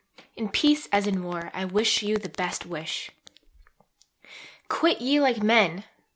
In peace as in war, I wish you the best wish: Quit ye like men!